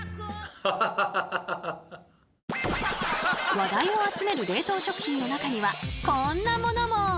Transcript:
話題を集める冷凍食品の中にはこんなものも！